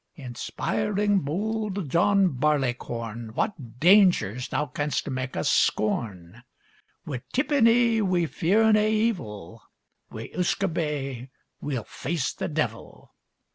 Inspiring, bold John Barleycorn! What dangers thou canst mak' us scorn! Wi' tippenny we fear nae evil; Wi' usquabae we'll face the devil!